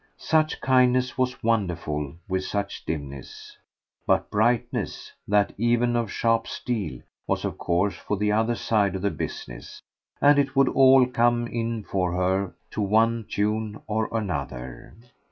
Such kindness was wonderful with such dimness; but brightness that even of sharp steel was of course for the other side of the business, and it would all come in for her to one tune or another.